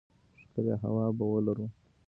ښکلې هوا به ولرو.